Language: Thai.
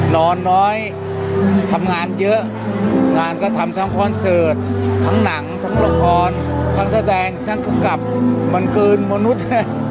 นอนน้อยทำงานเยอะงานก็ทำทั้งคอนเสิร์ตทั้งหนังทั้งละครทั้งแสดงทั้งภูมิกับมันเกินมนุษย์